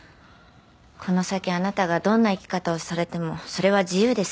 この先あなたがどんな生き方をされてもそれは自由です。